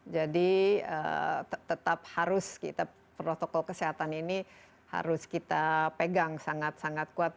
jadi tetap harus kita protokol kesehatan ini harus kita pegang sangat sangat kuat